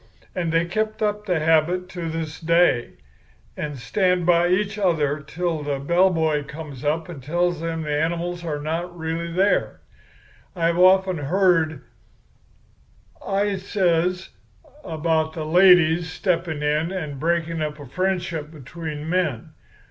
And they've kept up the habit to this day, and stand by each other till the bellboy comes up and tells them the animals are not really there. I've often heard,' I says, 'about ladies stepping in and breaking up a friendship between men.